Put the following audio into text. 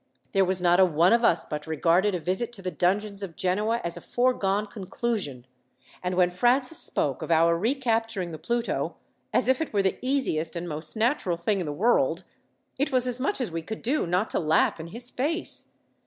There was not one of us but regarded a visit to the dungeons of Genoa as a foregone conclusion, and when Francis spoke of our recapturing the Pluto, as if it were the easiest and most natural thing in the world, it was as much as we could do not to laugh in his face.